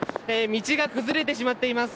道が崩れてしまっています。